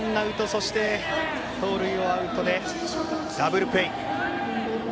そして、盗塁をアウトでダブルプレー。